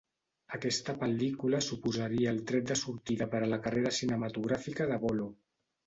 Aquesta pel·lícula suposaria el tret de sortida per a la carrera cinematogràfica de Bolo.